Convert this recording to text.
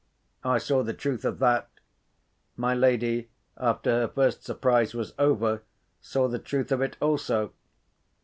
I saw the truth of that. My lady, after her first surprise was over, saw the truth of it also.